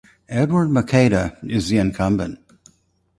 Edward Maceda is the incumbent.